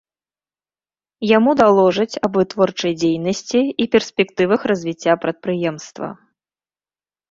Яму даложаць аб вытворчай дзейнасці і перспектывах развіцця прадпрыемства.